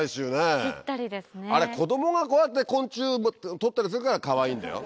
あれ子供がこうやって昆虫捕ったりするからかわいいんだよ？